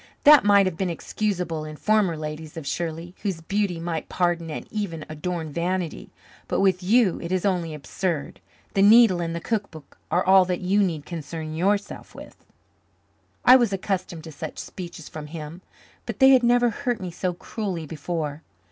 "That might have been excusable in former ladies of Shirley whose beauty might pardon and even adorn vanity, but with you it is only absurd. The needle and the cookbook are all that you need concern yourself with." I was accustomed to such speeches from him, but they had never hurt me so cruelly before.